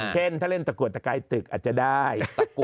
เช่นถ้าเล่นตะกรวดตะกายตึกอาจจะได้